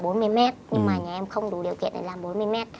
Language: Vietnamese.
nhưng mà nhà em không đủ điều kiện để làm bốn mươi m